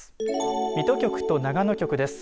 水戸局と長野局です。